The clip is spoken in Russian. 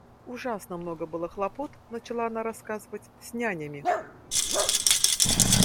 Ужасно много было хлопот, — начала она рассказывать, — с нянями.